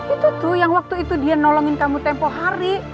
itu tuh yang waktu itu dia nolongin kamu tempoh hari